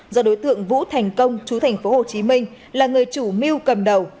do đối tượng vũ thành công chú thành phố hồ chí minh là người chủ miu cầm đầu